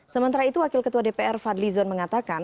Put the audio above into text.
sementara itu wakil ketua dpr fadli zon mengatakan